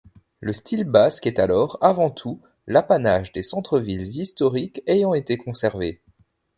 Le style basque est alors, avant tout, l'apanage des centres-villes historiques ayant été conservés.